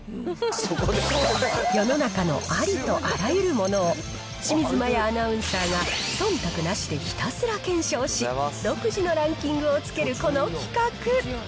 世の中のありとあらゆるものを、清水麻椰アナウンサーがそんたくなしでひたすら検証し、独自のランキングをつけるこの企画。